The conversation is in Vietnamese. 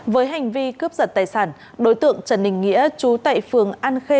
với hành vi cướp giật tài sản đối tượng trần đình nghĩa chú tại phường an khê